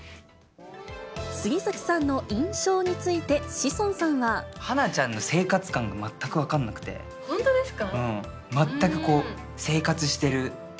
杉咲さんの印象について志尊花ちゃんの生活感が全く分か本当ですか？